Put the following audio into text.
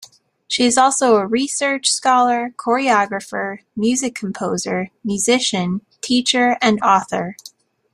She is also a research scholar, choreographer, music composer, musician, teacher and author.